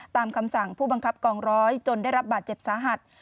คำสั่งผู้บังคับกองร้อยจนได้รับบาดเจ็บสาหัส